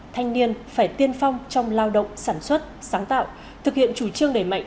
thanh niên phải tiên phong trong lao động sản xuất sáng tạo thực hiện chủ trương đẩy mạnh